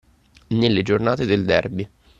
Nelle giornate del derby.